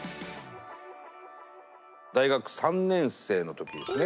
大学３年生の時ですね。